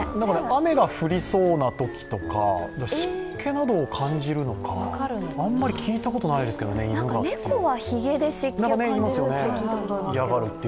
雨が降りそうなときとか湿気などを感じるのかあんまり聞いたことないですけどね、犬がって。